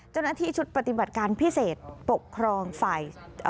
เจ้าหน้าที่ชุดปฏิบัติการพิเศษปกครองไฟ